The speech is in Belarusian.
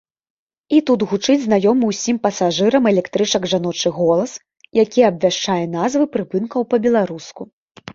І тут гучыць знаёмы ўсім пасажырам электрычак жаночы голас, які абвяшчае назвы прыпынкаў па-беларуску.